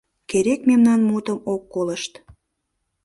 Керек мемнан мутым ок колышт